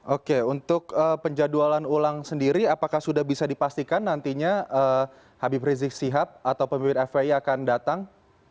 oke untuk penjadwalan ulang sendiri apakah sudah bisa dipastikan nantinya habib rizik sihab atau pemimpin fpi akan datang